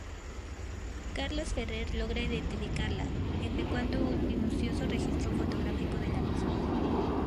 Carlos Ferrer logra identificarla, efectuando un minucioso registro fotográfico de la misma.